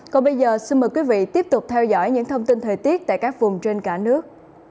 còn bây giờ xin mời quý vị tiếp tục theo dõi những thông tin thời tiết tại các vùng trên cả nước